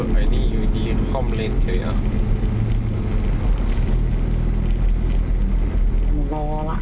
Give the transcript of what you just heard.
มีอะไรของมัน